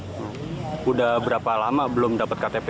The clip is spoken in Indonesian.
sudah berapa lama belum dapat ktp